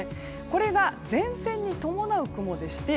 これが、前線に伴う雲でして。